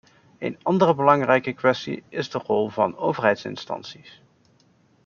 Een andere belangrijke kwestie is de rol van overheidsinstanties.